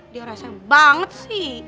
dia rasa yang banget sih